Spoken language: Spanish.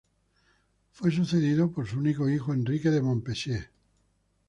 Fue sucedido por su único hijo Enrique de Montpensier.